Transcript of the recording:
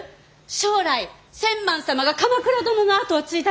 将来千幡様が鎌倉殿の跡を継いだら。